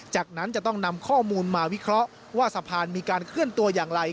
จากนั้นจะต้องนำข้อมูลมาวิเคราะห์ว่าสะพานมีการเคลื่อนตัวอย่างไร